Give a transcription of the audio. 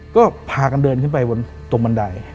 ก็พากันเดินขึ้นไปบนตรงบันได